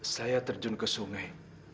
saya terjun ke sungai